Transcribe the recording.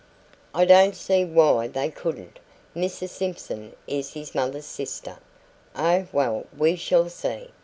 "I don't see why they couldn't. Mrs Simpson is his mother's sister " "Oh, well, we shall see.